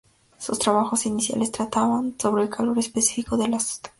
Sus trabajos iniciales trataban sobre el calor específico de las sustancias.